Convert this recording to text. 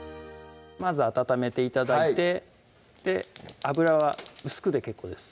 まず温めて頂いて油は薄くで結構です